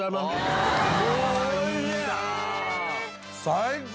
最高！